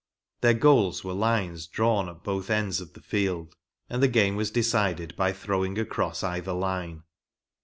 Their goals were lines drawn at both ends of the field, and game was decided by throwing across either line.